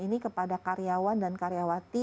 ini kepada karyawan dan karyawati